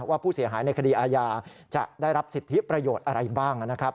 ว่าผู้เสียหายในคดีอาญาจะได้รับสิทธิประโยชน์อะไรบ้างนะครับ